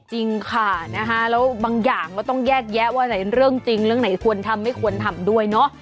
จริงค่ะนะคะแล้วบางอย่างก็ต้องแยกแยะว่าไหนเรื่องจริงเรื่องไหนควรทำไม่ควรทำด้วยเนอะ